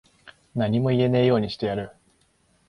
何も言えねぇようにしてやる。